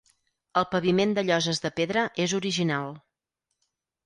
El paviment de lloses de pedra és original.